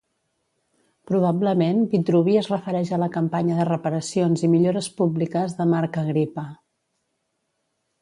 Probablement Vitruvi es refereix a la campanya de reparacions i millores públiques de Marc Agripa.